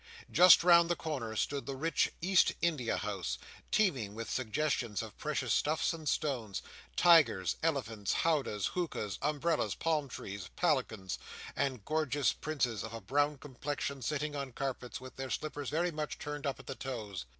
Just round the corner stood the rich East India House, teeming with suggestions of precious stuffs and stones, tigers, elephants, howdahs, hookahs, umbrellas, palm trees, palanquins, and gorgeous princes of a brown complexion sitting on carpets, with their slippers very much turned up at the toes.